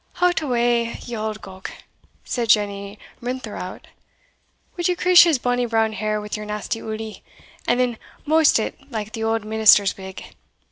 "Hout awa, ye auld gowk," said Jenny Rintherout, "would ye creesh his bonny brown hair wi' your nasty ulyie, and then moust it like the auld minister's wig?